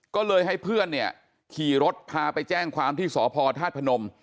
ก็เลยให้เพื่อนเนี่ยขี่รถพาไปแจ้งความที่สพธาตุพนม